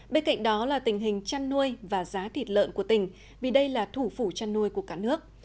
bên cạnh đó là tình hình chăn nuôi và giá thịt lợn của tỉnh vì đây là thủ phủ chăn nuôi của cả nước